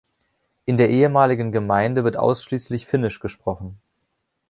In der ehemaligen Gemeinde wird ausschließlich Finnisch gesprochen.